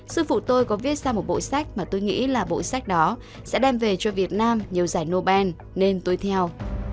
sư phụ tôi có viết ra một bộ sách mà tôi nghĩ là bộ sách đó sẽ đem về cho việt nam nhiều giải nobel nên tôi theo